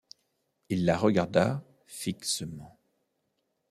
Il la regarda fixement.